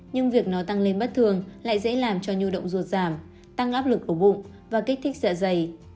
nhưng việc nó tăng lên bất thường lại dễ làm cho nhu động ruột giảm tăng áp lực ở bụng và kích thích dạ dày